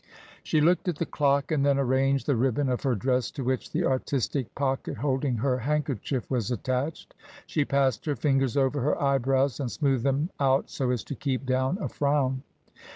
She looked at the clock, and then arranged the ribbon of her dress to which the artistic pocket holding her handkerchief was attached. She passed her fingers over her eyebrows and smoothed them out so as to keep down a frown.